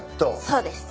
そうです。